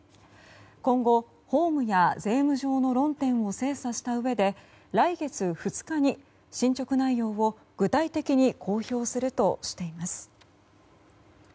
今後、法務や税務上の論点を精査したうえで来月２日に進捗内容を具体的に公表するとしています。